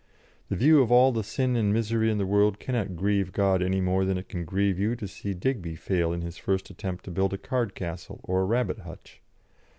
The view of all the sin and misery in the world cannot grieve God any more than it can grieve you to see Digby fail in his first attempt to build a card castle or a rabbit hutch.